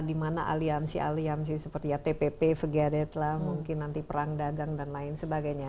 di mana aliansi aliansi seperti ya tpp forget lah mungkin nanti perang dagang dan lain sebagainya